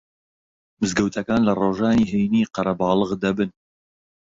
مزگەوتەکان لە ڕۆژانی هەینی قەرەباڵغ دەبن